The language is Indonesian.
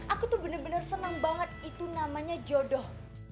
aku tuh bener bener senang banget itu namanya jodoh